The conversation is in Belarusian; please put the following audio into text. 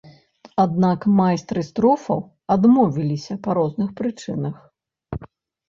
Аднак майстры строфаў адмовіліся па розных прычынах.